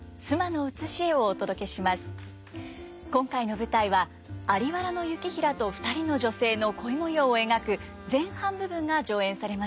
今回の舞台は在原行平と２人の女性の恋模様を描く前半部分が上演されました。